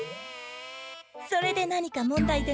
それで何か問題でも？